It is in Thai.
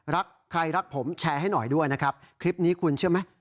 รักใครรักผมแชร์ให้หน่อยด้วยนะครับคลิปนี้คุณเชื่อไหม